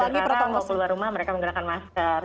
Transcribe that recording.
karena kalau keluar rumah mereka menggunakan masker